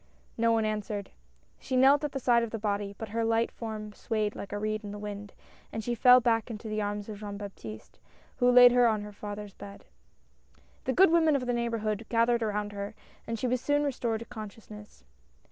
No one answered. She knelt at the side of the body ; but her light form swayed like a reed in the wind, and she fell back into the arms of Jean Baptiste, who laid her on her father's bed. The good women of the neighborhood gathered around her, and she was soon restored to conscious ness.